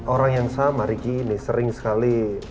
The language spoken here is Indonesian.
orang yang sama ricky ini sering sekali